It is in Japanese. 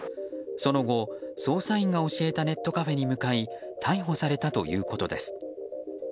その後、捜査員が教えたネットカフェに向かい逮捕されたということです。